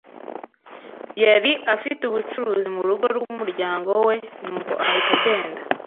Yari afite ubucuruzi murugo rwumuryango we nuko ahita agenda